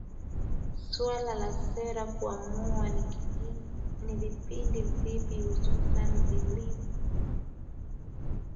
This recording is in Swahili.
suala la sera kuamua ni vikundi vipi hususan vilivy